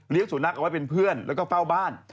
สุนัขเอาไว้เป็นเพื่อนแล้วก็เฝ้าบ้าน